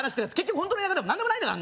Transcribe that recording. ホントの田舎でも何でもないんだ